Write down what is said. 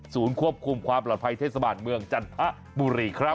ควบคุมความปลอดภัยเทศบาลเมืองจันทบุรีครับ